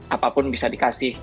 apapun bisa dikasih